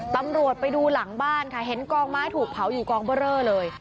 ตำรวจไปดูหลังบ้านค่ะเห็นกองไม้ถูกเผาอยู่กองเบอร์เรอเลย